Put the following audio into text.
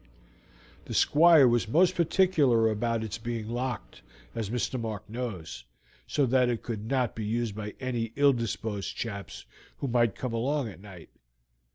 "The Squire was most particular about its being locked, as Mr. Mark knows, so that it could not be used by any ill disposed chaps who might come along at night.